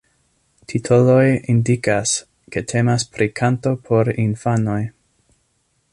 Titoloj indikas, ke temas pri kanto por infanoj.